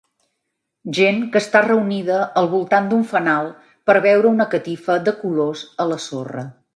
Gent que està reunida al voltant d'un fanal per veure una catifa de colors a la sorra